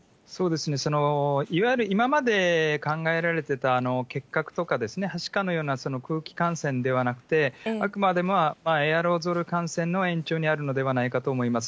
いわゆる今まで考えられてた結核とかはしかのような空気感染ではなくて、あくまでエアロゾル感染の延長にあるのではないかと思います。